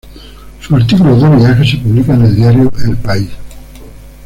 Sus artículos de viajes se publican en el diario "El País".